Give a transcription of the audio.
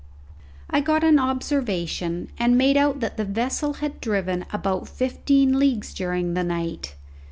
I got an observation and made out that the vessel had driven about fifteen leagues during the night.